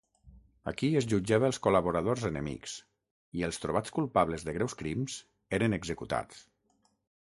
Aquí es jutjava els col·laboradors enemics i els trobats culpables de greus crims eren executats.